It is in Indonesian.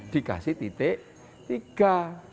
dikasih titik tiga